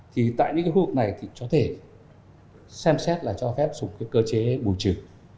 thì tại những khu vực này thì có thể xem xét là cho phép sụp cơ chế bù trừ